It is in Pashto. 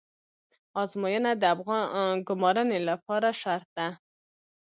ازموینه د ګمارنې لپاره شرط ده